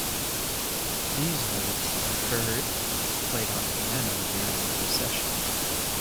These notes are heard played on piano during Procession.